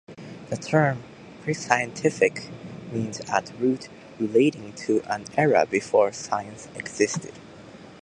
The term "prescientific" means at root "relating to an era before science existed".